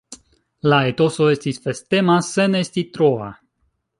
La etoso estis festema, sen esti troa.